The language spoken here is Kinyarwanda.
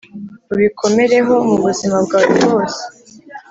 ubikomereho mu buzima bwawe bwose,